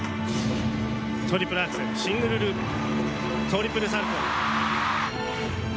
トリプルアクセルシングルループトリプルサルコー。